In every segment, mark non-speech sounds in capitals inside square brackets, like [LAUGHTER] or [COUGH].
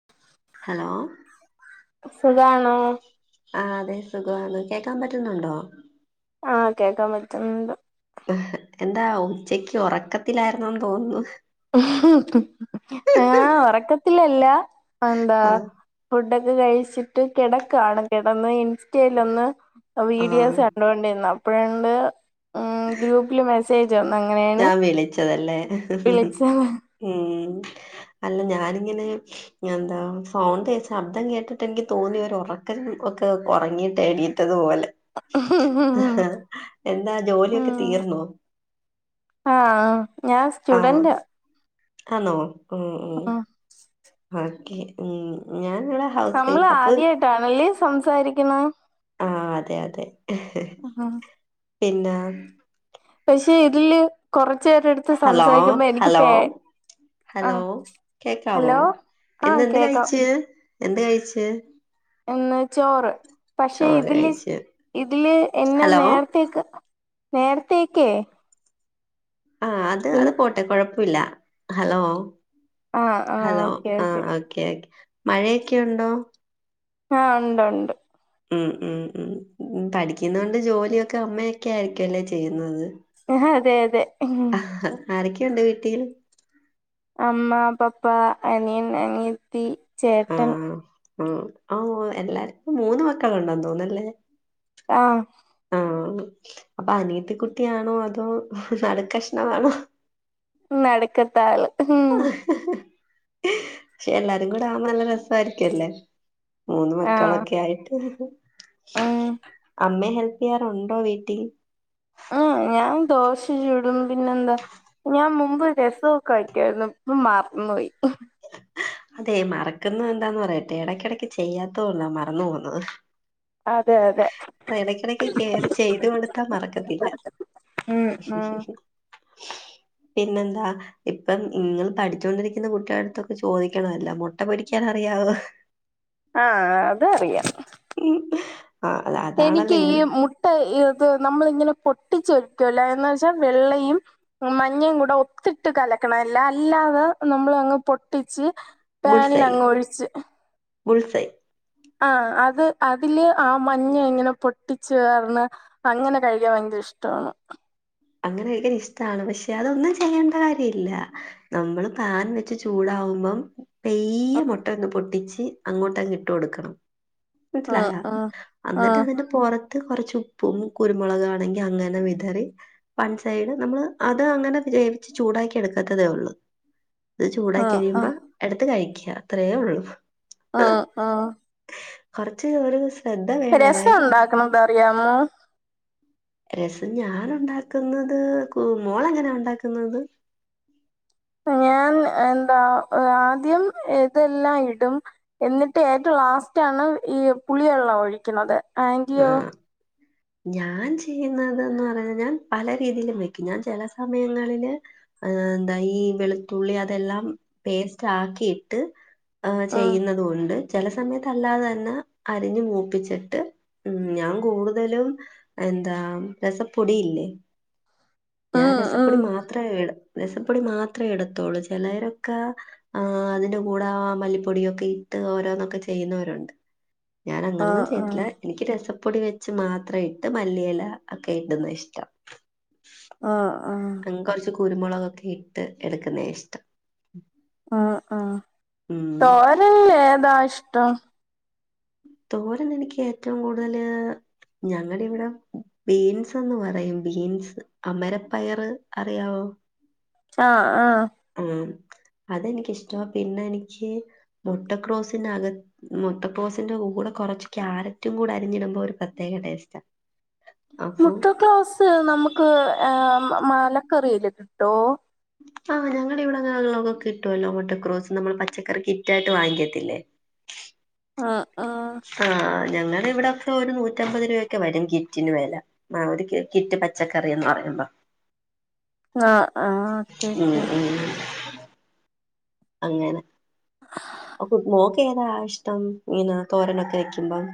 [INAUDIBLE] Hello സുഖാണോ ആ അതെ സുഖാണ് കേൾക്കാൻ പറ്റുന്നുണ്ടോ? ആഹ കേൾക്കാപറ്റുന്നുണ്ട് എന്താ ഉച്ചക്ക് ഉറക്കത്തിലായിരുന്നന്ന് തോന്നുന്നു ആഹ ഉറക്കത്തിലല്ല എന്താ ആ ഫുഡൊക്കെ കഴിച്ചിട്ട് കിടക്കാണ് കിടന്ന് ഇൻസ്റ്റലൊന്ന് ആ വീഡിയോസ് കണ്ടൊണ്ടിന്ന അപ്പോഴണ് ഗ്രൂപ്പില് മെസ്സേജ് വന്ന ഞാൻ വിളിച്ചതല്ലേ വിളിച്ചത് ഉം അല്ല ഞാനിങ്ങനെ എന്താ ഫോൺ ശബ്ദം കേട്ടിട്ട് എനിക്ക് തോന്നി ഉറക്കം ഒക്കെ ഉറങ്ങിട്ടടി തുപോലെ എന്താ ജോലിയൊക്കെ തീർന്നോ ആഹ ആ ആണോ മ്മ് മ്മ് ഉം ഓക്കെ മ്മ് ഞന്നാലെ നമ്മൾ ആദ്യായിട്ടാണല്ലേ സംസാരിക്കുന്ന ആഹ അതെ അതെ പിന്നെ പക്ഷെ ഇതില് കൊറച്ചു [UNINTELLIGIBLE] ഹലോ സംസാരിക്കുമ്പോ എനിക്ക് ഹലോ പേ ഹലോ ആഹ് കേക്കാവോ ഹലോ ആ ഇന്നെന്ത് കേക്കാം കഴിച്ച് എന്ത് കഴിച്ച് ന്ന് ചോറ് പക്ഷെ ചോറ് ഇതില് കഴിച്ച് ഇതില് എന്നെ ഹലോ നേരത്തേക്ക് നേരത്തേക്ക് ആ അത് അത് പോട്ടെ കോഴപ്പല്ല ഹലോ ആ ആ ഹലോ ഓക്കെ ആ ഓക്കെ ക്കെ മഴയൊക്കെണ്ടോ ആ ഉണ്ട്ണ്ട് ഉം ഉം ഉം പഠിക്കുന്ന കൊണ്ട് ജോലിയൊക്കെ അമ്മയൊക്കെ ആയിരിക്കുല്ലേ ചെയ്യുന്നത് [UNINTELLIGIBLE] അതെ അതെ ഉം. ആഹാ ആരൊക്കെയുണ്ട് വിട്ടീല് അമ്മ പപ്പാ അനിയൻ അനിയത്തി ആ ചേട്ടൻ ആ ആ എല്ലാരും മൂന്ന് മക്കൾ ഉണ്ടെന്ന് തോന്നല്ലേ ആഹ് ആ അപ്പൊ അനിയത്തി കുട്ടിയാണോ അതോ നടു കഷ്ണമാണോ നടുക്കത്താല് പക്ഷെ എല്ലാരും കൂടെ ആവുമ്പോ നല്ല രസായിരിക്കുല്ലേ മൂന്ന് മക്കളൊക്കെ ആയിട്ട് മ്മ് അമ്മെ ഹെൽപ്പ് ചെയ്യാറുണ്ടോ വീട്ടില് മ്മ് ഞാൻ ദോശ ചുടും പിന്നെന്താ ഞാൻ മുമ്പ് രസോക്കെ വെക്കോയിരുന്നു ഇപ്പൊ മർന്നോയി [INAUDIBLE] അതെ മറക്കുന്നെ എന്താന്ന് പറയട്ടെ ഇടക്കിടക്ക് ചെയ്യാത്തോണ്ടാ മറന്നു പോകുന്നത് അതെ അതെ ഇടക്കിടക്ക് കെയറി ചെയ്ത് കൊടുത്താ മറക്കത്തില്ല മ്മ് ആ പിന്നെന്താ ഇപ്പം നിങ്ങൾ പഠിച്ചുകൊണ്ടിരിക്കുന്ന കുട്ടി അതൊക്കെ ചോദിക്കണല്ല മുട്ട പൊരിക്കാൻ അറിയാവോ ആഹ അത് അറിയാം ഉം അ അതാണല്ലെ ഇ ഈ മുട്ട ഇത് നമ്മള് ഇങ്ങനെ പൊട്ടിച് വേകൂലെ എന്ന് വെച്ചാ വെള്ളയും മഞ്ഞയും കൂടെ ഒത്തിട്ട് കലക്കണല്ല അല്ലാതെ നമ്മൾ അങ്ങ് പൊട്ടിച്ച് ബുൾസൈ പാനിലങ്ങ് ഒഴിച്ച് ബുൾസൈ ആ അത് അതില് ആ മഞ്ഞ ഇങ്ങനെ പൊട്ടിച്ചു ർന്ന് അങ്ങനെ കഴിക്കാൻ ഭയങ്കര ഇഷ്ട്ടാണ് അങ്ങനെ കഴിക്കാൻ ഇഷ്ട്ടാണ് പക്ഷെ അതൊന്നും ചെയ്യേണ്ട കാര്യല്ല നമ്മള് പാൻ വെച്ച് ചൂടാവുമ്പം പയ്യെ മുട്ട അങ്ങ് പൊട്ടിച്ച് അങ്ങോട്ടങ്ങ് ഇട്ട് കൊടുക്കണം ഉം മനസ്സിലായ ഉം അന്നിട്ട് ഉം അതി പുറത്ത് കുറച്ച് ഉപ്പും കുരുമുളകാണെങ്കി അങ്ങനെ വിതറി വൺ സൈഡ് നമ്മള് അത് അങ്ങനെ വേവിച്ച് ചൂടാക്കി എടുക്കത്തതേ ഉള്ളൂ അത് ചൂടായി ഉം കഴിയുമ്പോ ഉം എടുത്ത് കഴിക്ക അത്രയേള്ളൂ ആ ആ കൊറച്ച് ഒരുസ് രസം ഉണ്ടാക്കുന്നത് അറിയാമോ രസം ഞാൻ ഉണ്ടാക്കുന്നത് കു മോള എങ്ങനെയ ഉണ്ടാക്കുന്നത്? ഞാൻ എന്താ ആദ്യം ഇതെല്ലാം ഇടും. എന്നിട്ട് ഏറ്റവും ലാസ്റ്റ് ആണ് ഈ പുളി വെള്ളം ഒഴിക്കണത് ആഹ ഞാൻ ചെയ്യുന്നത് എന്ന് പറയ ഞാൻ പല രീതിയിലും വെക്കും ഞാൻ ചില സമയങ്ങളില് ഏ എന്താ ഈ വെളുത്തുള്ളി അതെല്ലാം പേസ്റ്റ് ആക്കിയിട്ട് ഉം ചെയ്യുന്നത കൊണ്ട് ചെല സമയത്ത് അല്ലാതെ തന്നെ അരിഞ്ഞ് മൂപ്പിച്ചിട്ട് ഉം ഞാൻ കൂടുതലും എന്താ രസപ്പൊടിയില്ലേ ഞാൻ ഉം ഉം രസപ്പൊടി മാത്രമേ ഇട രസപ്പൊടി മാത്രമേ എടുത്തോള്ളൂ ചിലരൊക്കെ ആ അതിന്റെ കൂടെ മല്ലിപ്പൊടിയൊക്കെ ഇട്ട് ഓരോന്നൊക്കെ ചെയ്യുന്നവരുണ്ട് ഞാൻ ഉം അങ്ങനൊന്നും ഉം ചെയ്ത്തില്ല എനിക്ക് രസപ്പൊടി വെച്ച് മാത്രം ഇട്ട് മല്ലിയില ഒക്കെ ഇടുന്ന ഇഷ്ടം ആഹ ആഹ അങ്ങ് കുറച്ച് കുരുമുളകൊക്കെ ഇട്ട് എടുക്കുന്ന ഇഷ്ടം ആ ആ ഉം തോരയ് ഏതാ ഇഷ്ടം തോരൻ എനിക്ക് ഏറ്റവും കൂടുതല് ഞങ്ങളുടെ ഇവിടെ ബീൻസ്ന്ന് പറയും ബീൻസ് അമരപ്പയർ അറിയാവൊ? ആഹ ആഹ ആ അതെനിക്കിഷ്ട പിന്നെ എനിക്ക് മൊട്ടക്രോസിനക മൊത്തകൊസിന്റെ കൂടെ കുറച്ച് ക്യാരറ്റും കൂടെ അരിഞ്ഞിടുമ്പോ ഒരു പ്രത്യേക ടേസ്റ്റ മുട്ടക്ലോസ് നമുക്ക് മലക്കറിയില് കിട്ടോ? ആഹ് ഞങ്ങള ഇവിടെ [UNINTELLIGIBLE] കിട്ടുവല്ലോ മട്ടക്രോസ് നമ്മൾ പച്ചക്കറി [INAUDIBLE] കിറ്റായിട്ട് വാങ്ങിക്കത്തില്ലേ ആഹ ആഹ ആ ഞങ്ങടെ ഇവിടെക്ക ഒരു നൂറ്റമ്പത് രൂപ ഒക്കെ വരും ഗിറ്റിന് വേല ആ ഒരു കിറ്റ് പച്ചക്കറിന്ന് പറയുമ്പോ ആ ആഹ ഓക്കെ ഉം ഓക്കെ ഉം അങ്ങനെ മോക്ക് ഏതാ ഇഷ്ടം ഇങ്ങനെ തോരനൊക്കെ വെക്കുമ്പം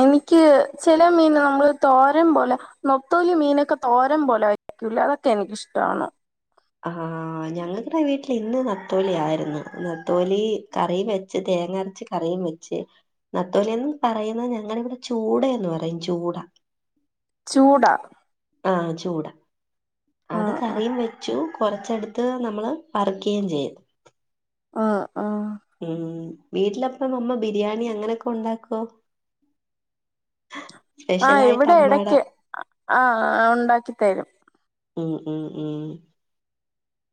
എനിക്ക് ചെല മീൻ നമ്മള് തോരം പോലെ നൊത്തോലി മീനൊക്കെ തോരൻ പോലെ തുലാവത് എനിക്കിഷ്ട്ടാണ് ആ ഞങ്ങളുടെ വീട്ടിൽ ഇന്ന് നത്തോലി ആയിരുന്നു നത്തോലി കറി വെച്ച് തേങ്ങരച്ച് കറിയും വെച്ച് നത്തോലന്ന് പറയുന്ന ഞങ്ങള ഇവിടെ ചൂട എന്ന് പറയും ജൂടാ ചൂട ആ ചൂടാ അത് ആഹ് ആഹ് കറിയും വെച്ചു കൊറച്ചടുത്ത് ത് നമ്മള് പറക്കയും ചെയും ആ ആ ഉം വീട്ടിലപ്പ അമ്മ ബിരിയാണി അങ്ങനെയൊക്കെ ഉണ്ടാക്കോ ആ് സ്പെഷ്യലായിട്ട് ഇവിടെ അമ്മാടെ എടയ്ക്ക് ആ ഉണ്ടാക്കി തരും ഉ ഉം ഉം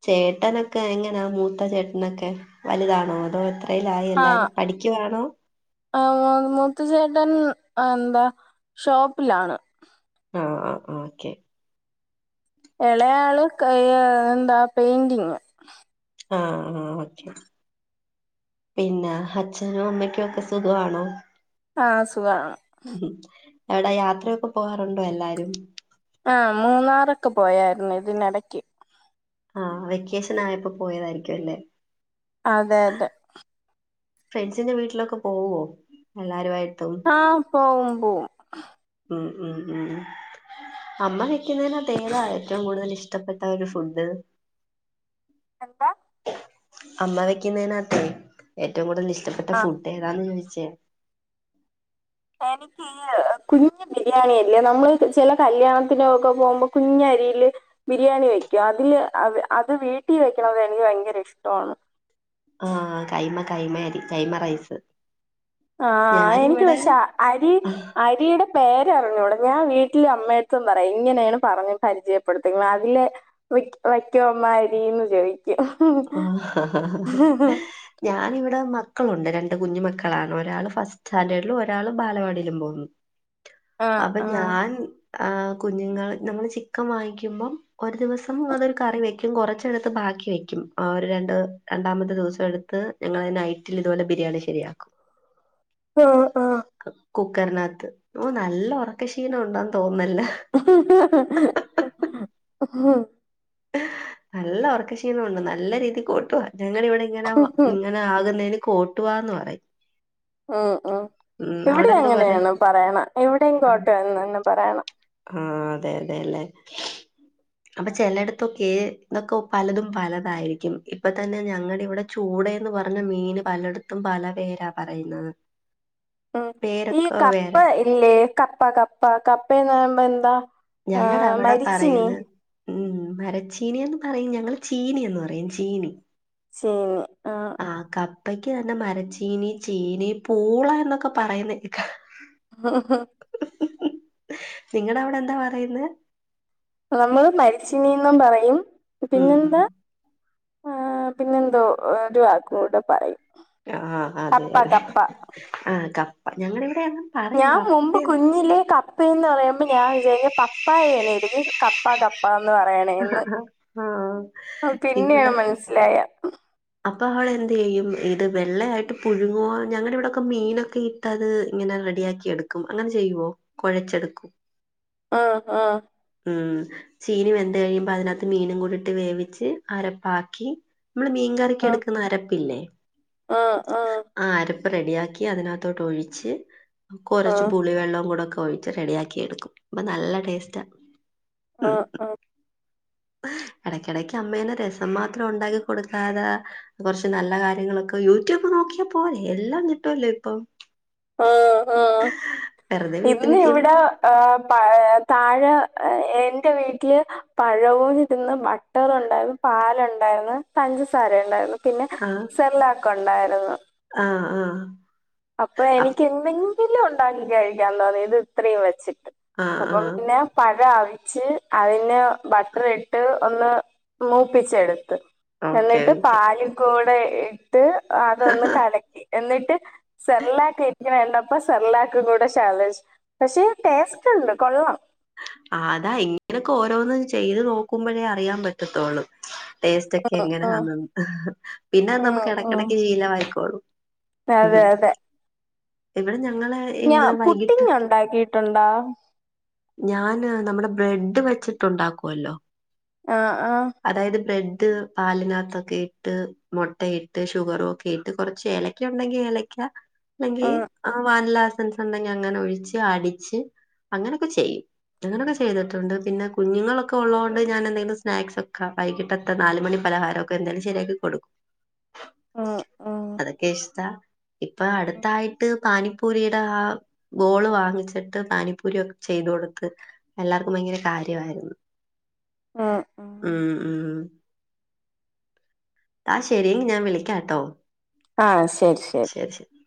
ചേട്ടനൊക്കെ എങ്ങനാ മൂത്ത ചേട്ടനൊക്കെ വലുതാണോ അതോ എത്രയിലായി എല്ലാരും പഠിക്കുവാണോ ആ മൂത്ത ചേട്ടൻ എന്താ ഷോപ്പിലാണ് ആ ആ ആ ഓക്കെ എളയാള് ക എന്താ പെയിന്റിങ് ആ ആ ഓക്കെ പിന്നെ അച്ഛനും അമ്മയ്ക്കും ഒക്കെ സുഖമാണോ ആ സുഖാണ് എവിടെ യാത്രയൊക്കെ പോകാറുണ്ടോ എല്ലാരും ആ് മൂന്നാറൊക്കെ പോയായിരുന്നു ഇതിനെടക്ക് ആ വെക്കേഷൻ ആയപ്പോ പോയതായിരിക്കും അല്ലേ അതെ അതെ ഫ്രണ്ട്സിന്റെ വീട്ടിലൊക്കെ പോവുവോ എല്ലാരുവായിട്ടും ആ പോവും പോവും ഉം ഉം അമ്മ വെക്കുന്നതിനാത്തേതാ ഏറ്റവും കൂടുതൽ ഇഷ്ടം ഇഷ്ടപ്പെട്ട ഒരു ഫുഡ് എന്താ അമ്മ വെക്കുന്നതിനനാത്തെ ഏറ്റവും കൂടുതൽ ഇഷ്ടപ്പെട്ട ആഹ് ഫുഡ് ഏതാന്ന് ചോയ്ച്ചേ എനിക്ക് നിക്ക് കുഞ് ബിരിയാണില്ലേ നമ്മള് ചെല കല്യാണത്തിനൊക്കെ പോവുമ്പോ കുഞ്ഞ് അരീല് ബിരിയാണി വെക്കും അതില് അത് വീട്ടിൽ വെക്കണത് എനിക്ക് ഭയങ്കര ഇഷ്ടവാണ് ആ കൈമ കൈമ അരി കൈമ റൈസ് ആ എനിക്ക് ഞാനിവിടെ പക്ഷെ അരി ആ രിയുടെ പേര്റിഞ്ഞൂട ഞാൻ വീട്ടില അമ്മയട്ത്തും പറയാ ഇങ്ങനെയാണ് പറഞ്ഞ് പരിചയപ്പെടുത്ത അതിലെ വയ്ക്കോ മ്മാരീന്ന് ചോയ്ക്കും ആ ഞാാനിവിടെ മക്കളുണ്ട് രണ്ട് കുഞ്ഞുമക്കളാണ് ഒരാള് ഫസ്റ്റ് സ്റ്റാൻഡേർഡിലും ഒരാൾ ബാലവാടിയിലും പോവുന്നു ആഹ് അപ്പൊ ആഹ് ഞാൻ ആഹ് കുഞ്ഞുങ്ങൾ നമ്മള് ചിക്കൻ വാങ്ങിക്കുമ്പോം ഒരു ദിവസം അതൊരു കറി വെ ക്കും കുറച്ചെടുത്ത് ബാക്കി വയ്ക്കും ആ ഒരു രണ്ട് രണ്ടാമത്തെ ദിവസം എടുത്ത് ഞങ്ങള് നൈറ്റിൽ ഇതുപോലെ ബിരിയാണി ശരിയാക്കും [INAUDIBLE] ആ കുക്കറിനകത്ത് ഓ നല്ല ഉറക്ക ക്ഷീണം ഉണ്ടന്ന് തോന്ന്ന്നല്ലോ ആഹ നല്ല ഉർക്ക ക്ഷീണോണ്ട് നല്ല രീതിൽ കോട്ടുവാ ഞങ്ങളിവിടെ ഇങ്ങനെ ങ്ങ ആകുന്നതിന് കോട്ടുവാന്ന് പറയും ഉം ഉം ഉം, ഇവിടെ അവിടെ എന്തോ പറയും അങ്ങനെണ് പറയണ ഇവിടെയും ആ കോട്ടുവാ എന്ന് തന്നെ പറയണ ആ അതെ അതെല്ലേ അപ്പൊ ചെലട്ത്തൊക്കെ ഇതൊക്കെ പലതും പലതായിരിക്കും ഇപ്പത്തന്നെ ഞങ്ങടെവിടെ ചൂടേന്ന് പറഞ്ഞ മീന് പലട്ത്തും പല പേരാ പറയുന്നത് ഉം ഈ പേരൊക്കെ കപ്പ വേറെ ഇല്ലേ കപ്പ കപ്പ കപ്പേന്നാമ്പെന്താ ഞങ്ങടവിടെ പറയ്ന്ന് ഉം മരച്ചീനിയെന്ന് പറയും ഞങ്ങള് ചീനിയെന്ന് പറയും ചീനി [UNINTELLIGIBLE] ആഹ് ആ കപ്പയ്ക്ക് തന്നെ മരച്ചീനി ചീനി പൂള എന്നൊക്കെ പറയുന്നേക്കാ [UNINTELLIGIBLE] നിങ്ങടെവിടെന്താ പറയുന്നേ നമ്മള് മരച്ചിനീന്നും പറയും ഉം ഉം പിന്നെന്താ ആ പിന്നെന്തോ ഒരു വാക്കൂടെ പറയും ആഹ് കപ്പ അതെയതെ കപ്പ ആ കപ്പ ഞങ്ങടിവ്ടൊന്നും ഞാൻ മുമ്പ് കുഞ്ഞിലേ കപ് പ്പേന്ന് പറയുമ്പ ഞാൻ വിചാരിക്കും പപ്പായെലെയിരിക്കും കപ്പ കപ്പാന്ന് പറയ്ന്നെ ന്നേന്ന് ആ അ ഇവിടെ പിന്നെയാ മനസ്സിലായേ അപ്പൊ അവിടെ എന്ത്യെയ്യും ഇത് വെള്ളയായിട്ട് പുഴുങ്ങുവോ ഞങ്ങടിവ്ടൊക്കെ മീനൊക്കെ ഇട്ട് ട്ടത് ഇങ്ങനെ റെഡിയാക്കി എടുക്കും അങ്ങനെ ചെയ്യുവോ കൊഴച്ചെടുക്കും ആഹ് ആഹ് ഉം ചീനി വെന്ത് കഴിയുമ്പോ അതിനാത്ത് മീനും കൂടിട്ട് വേവിച്ച് അരപ്പാക്കി നമ്മള് മീൻ കറിക്കെടുക്കുന്ന അരപ്പില്ലേ ആഹ് ആഹ് ആ അരപ്പ് റെഡിയാക്കി അതിനകത്തോട്ടൊഴിച്ച് ആ കൊറച്ച് പുളിവെള്ളം കൂടെ ഒക്കെ ഒഴി റെഡിയാക്കി എടുക്കും അപ്പൊ നല്ല ടേസ്റ്റാ ആ മ് ആ എടയ്ക്കെടക്ക് അമ്മേനെ രസം മാത്രം ഉണ്ടാക്കികൊടുക്കാതെ കൊർച്ച് നല്ല കാര്യങ്ങളൊക്കെ യു റ്റൂബ് നോക്കിയാ പോരെ എല്ലാം കിട്ടുവല്ലേ ഇപ്പൊ. ആ ആ വെറുതെ വീട്ടിൽ ഇന്ന് നിൽക്കുമ്പോ ഇവിടാ. ആ പഴെ താഴെ എന്റെ വീട്ട്ല് പഴവും തിന്ന് ബട്ടറും ഉണ്ടായിരുന്നു പാലുണ്ടായിരുന്നു പഞ്ചസാര ഉണ്ടായിരുന്നു. പിന്നെ സെർലാക്കുണ്ടായിരുന്നു. ആ ആ. അപ്പൊ എനിക്ക് എന്തെങ്കിലും ഉണ്ടാക്കി കഴിക്കാല്ലോ ഇത് ഇത്രയും വെച്ച്ട്ട്. ആഹ് അപ്പം ആഹ് പിന്നെ. പഴം അവിച്ച് അതിന് ബട്ടറിട്ട് ഒന്ന് മൂപ്പിച്ചെടുത്ത്. ഓക്കെ എന്നിട്ട് ഓക്കെ പാല് കൂടെ ഇട്ട് അതൊന്ന് കലക്കി എന്നിട്ട് സെർലാക്ക് ഇരിക്കണ കണ്ടപ്പ സെർലാക്ക് കൂടെ ശാ [UNINTELLIGIBLE] പക്ഷേ ടേസ്റ്റ് ണ്ട് കൊള്ളാം. ആതാ ഇങ്ങനെയൊക്കെ ഓരോന്ന് ചെയ്ത് നോക്കുമ്പോഴേ അറിയാൻ പറ്റത്തോള്ളു. ടേസ്റ്റ് ഒക്കെ ഉം, എങ്ങനാന്ന് പിന്നെ ഉം, നമുക്ക് ഉം. എടക്കെടക്ക് ശീലമായിക്കോളും. അതെ ഉം അതെ. ഇവിടെ ഞങ്ങള് ഞാ ഇവിടെ വൈകിട്ട് പുഡ്ഡിംഗ് ഉണ്ടാക്കിട്ടുണ്ടോ. ഞാന് നമ്മുടെ ബ്രെഡ് വെച്ചിട്ടുണ്ടാക്കുവല്ലോ. ആഹ് ആഹ് അതായത് ബ്രെഡ് പാലിനക്കത്തൊക്കെ ഇട്ട്. മുട്ടയിട്ട് ഷുഗറും ഒക്കെ ഇട്ട് കുറച്ച് ഏലക്ക ഉണ്ടെങ്കിൽ ഏലക്ക. ആ അല്ലെങ്കിൽ വാനിലാഎസൻസ് ഉണ്ടെങ്കിൽ അങ്ങനെ ഒഴിച്ച് അടിച്ച് അങ്ങനൊക്കെ ചെയ്യും. അങ്ങനെയൊക്കെ ചെയ്തിട്ടുണ്ട് പിന്നെ കുഞ്ഞുങ്ങളൊക്കെ ഉള്ളതുകൊണ്ട് ഞാനെന്തെങ്കിലും സ്നാക്സ് ഒക്കെ വൈകിട്ട് നാലു മണി പലഹാരൊക്കെ എന്തേലും ശരിയാക്ക് കൊടുക്കും. ഉം, ഉം, അതൊക്കെ ഇഷ്ട്ട ഇപ്പൊ അടുത്തായിട്ട് പാനിപ്പൂരിയുടെ ആ ബോൾ വാങ്ങിച്ചിട്ട് പാനിപ്പൂരി ഒക്കെ ചെയ്തു കൊടുത്ത് എല്ലാവർക്കും ഭയങ്കര കാര്യായിരുന്നു. ആഹ് ആഹ് ഉം ഉം. ആ ശരി ഞാൻ വിളിക്കാട്ടോ. ആ ശരി ശരി. [UNINTELLIGIBLE]